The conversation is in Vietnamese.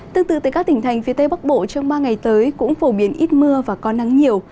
tương tự tại các tỉnh thành phía tây bắc bộ trong ba ngày tới cũng phổ biến ít mưa và có nắng nhiều